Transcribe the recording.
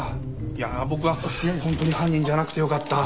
いやあ僕は本当に犯人じゃなくてよかった。